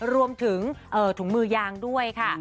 รวมถึงถุงมือยางด้วยค่ะ